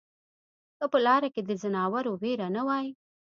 که په لاره کې د ځناورو وېره نه وای